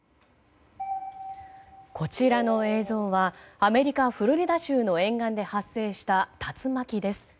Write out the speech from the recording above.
こちらの映像はアメリカ・フロリダ州の沿岸で発生した竜巻です。